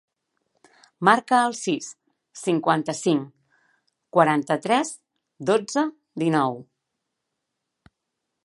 Marca el sis, cinquanta-cinc, quaranta-tres, dotze, dinou.